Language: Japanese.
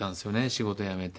仕事やめて。